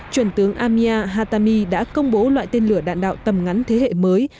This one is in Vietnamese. chuẩn tướng amir al hatami đã công bố loại tên lửa đạn đạo tầm ngắn thế hệ mới